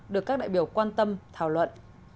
được các đại biểu quan tâm thảo luận